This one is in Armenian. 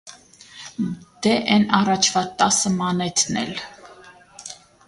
- Դե էն առաջվա տասը մանեթն էլ…